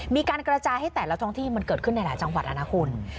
มีการกระจายให้แต่ละท้องที่มันเกิดขึ้นในหลายจังหวัดแล้วนะคุณ